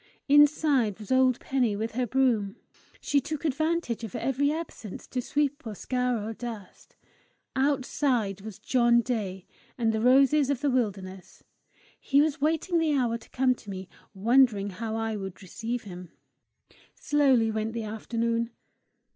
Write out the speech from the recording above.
Inside was old Penny with her broom: she took advantage of every absence to sweep or scour or dust; outside was John Day, and the roses of the wilderness! He was waiting the hour to come to me, wondering how I would receive him! Slowly went the afternoon.